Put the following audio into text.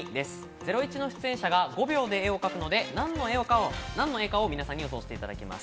『ゼロイチ』の出演者が５秒で絵を描くので、なんの絵か皆さんに予想していただきます。